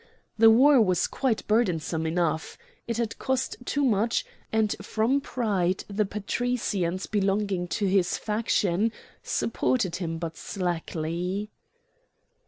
The war was quite burdensome enough! it had cost too much, and from pride the patricians belonging to his faction supported him but slackly.